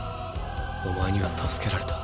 お前には助けられた。